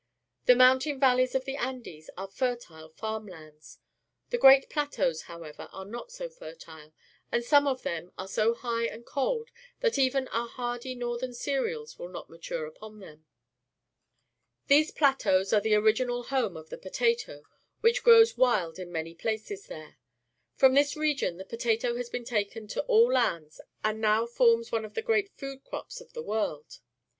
The mountain valleys of the Andes are fertile farm lands. The great plateaus, however, are not so fertile, and some of them are so high and cold that even our hardy northern cereals will not mature upon them. Th ese p lateaus a.re_the original home of the potato,, which grows wild in many places there. From this region the potato has been taken to all lands and now fomis one of the great food crops of the world.